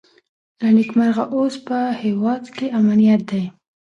له نېکمرغه اوس په هېواد کې امنیت دی.